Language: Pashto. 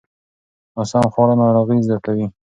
ناسم خواړه ناروغۍ زیاتوي.